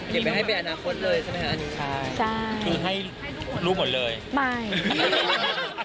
เก็บไปให้ไปอนาคตเลยใช่ไหมคะอันนี้